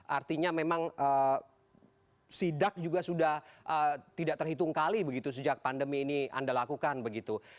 artinya memang sidak juga sudah tidak terhitung kali begitu sejak pandemi ini anda lakukan begitu